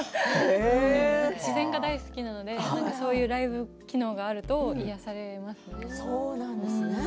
自然が大好きなのでそういうライブ機能があると癒やされますね。